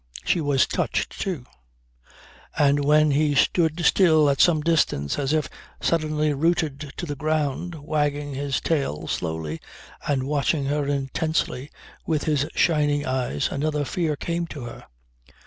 She was touched too. And when he stood still at some distance as if suddenly rooted to the ground wagging his tail slowly and watching her intensely with his shining eyes another fear came to her.